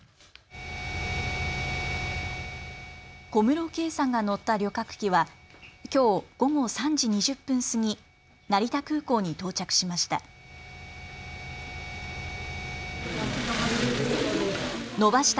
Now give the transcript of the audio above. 小室圭さんが乗った旅客機はきょう午後３時２０分過ぎ、成田空港に到着しました。